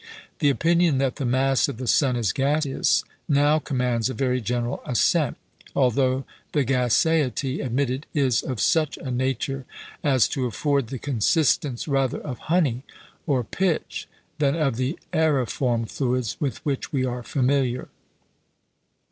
The opinion that the mass of the sun is gaseous now commands a very general assent; although the gaseity admitted is of such a nature as to afford the consistence rather of honey or pitch than of the aeriform fluids with which we are familiar.